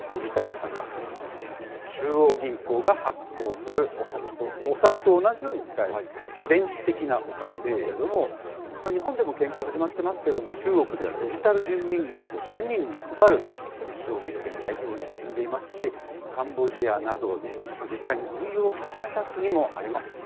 中央銀行が発行するお札と同じように使える、電子的なお金ですけれども、日本でも研究始まってますけれども、中国ではデジタル人民元を市民に配る実証実験、大規模に進んでいますし、カンボジアなど、実際に運用を始めた国もあります。